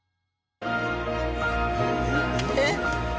えっ！